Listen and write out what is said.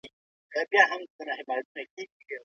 موسسې او بنسټونه هم خپل ځانګړی زور لري.